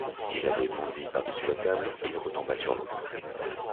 Il avait bondi par-dessus la table, il retomba sur l’autre.